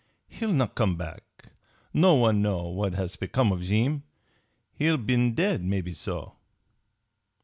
He'll not come back. No one know what has become of Jeem. He'll been dead, maybe so."